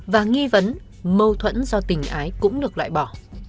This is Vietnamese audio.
và nghi vấn mâu thuẫn do tình ái cũng được loại bỏ